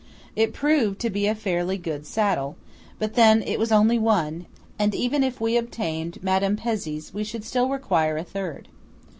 It proved to be a fairly good saddle; but then it was only one, and if we even obtained Madame Pezzé's we should still require a third.